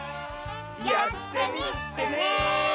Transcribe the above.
やってみてね！